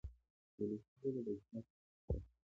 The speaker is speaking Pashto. وولسي ژبه د چا په خوله ټاکل کېږي.